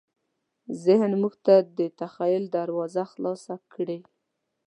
ذهن موږ ته د تخیل دروازه خلاصه کړې.